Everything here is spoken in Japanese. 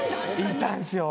いたんですよ。